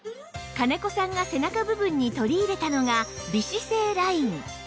金子さんが背中部分に取り入れたのが美姿勢ライン